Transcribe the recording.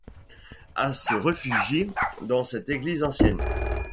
A se réfugier dans cette église ancienne